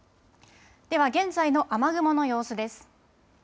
では現在の雨雲の様子です。